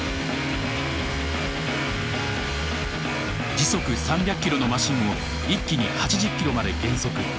時速３００キロのマシンを一気に８０キロまで減速。